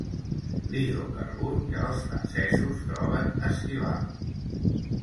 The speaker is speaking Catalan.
L'hidrocarbur que els francesos troben estival.